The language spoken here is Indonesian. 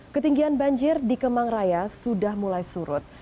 ketinggian banjir di kemang raya sudah mulai surut